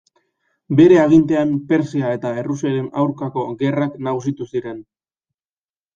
Bere agintean Persia eta Errusiaren aurkako gerrak nagusitu ziren.